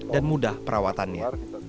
dan mudah perawatannya